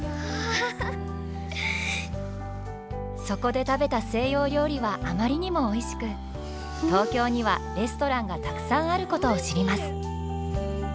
そこで食べた西洋料理はあまりにもおいしく東京にはレストランがたくさんあることを知ります。